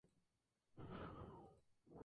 González la Municipalidad de la Ciudad de Trelew.